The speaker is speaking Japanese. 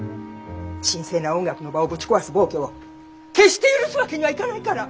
神聖な音楽の場をぶち壊す暴挙を決して許すわけにはいかないから！